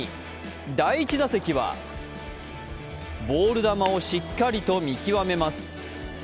第１打席はボール球をしっかりと見極めます。